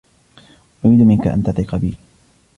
أريد منك أن تثق بي.